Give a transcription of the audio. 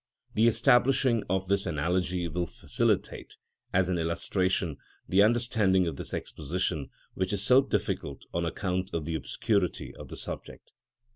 The establishing of this analogy will facilitate, as an illustration, the understanding of this exposition, which is so difficult on account of the obscurity of the subject.